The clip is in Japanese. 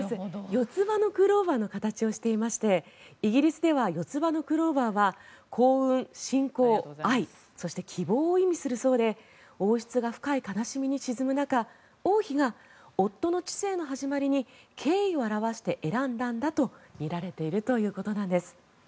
四つ葉のクローバーの形をしていましてイギリスでは四つ葉のクローバーは幸運・信仰・愛・希望を意味するそうで王室が深い悲しみに沈む中王妃が夫の治世の始まりに敬意を表して選んだんだとみられているということなんです。